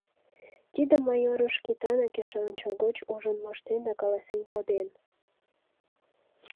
Тидым Майоров-Шкетанак эше ончылгоч ужын моштен да каласен коден.